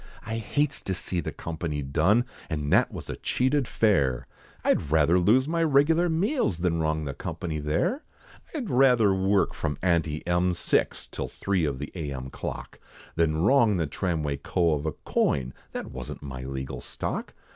I hates to see the company done, And that was a cheated fare, I'd rather lose my regular meals, Than wrong the company, there! I'd rather work from ante M, six Till three of the A.M. clock, Than wrong the tramway co. of a coin, That wasn't my legal stock.